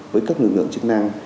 với các lực lượng chức năng